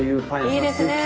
いいですね。